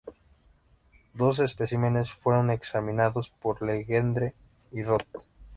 Dos especímenes fueron examinados por Legendre y Roth.